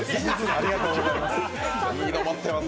ありがとうございます。